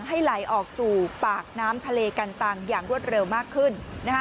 ให้ไหลออกสู่ปากน้ำทะเลกันตังอย่างรวดเร็วมากขึ้น